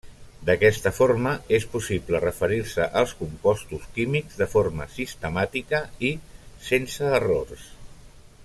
D'aquesta forma, és possible referir-se als compostos químics de forma sistemàtica i sense errors.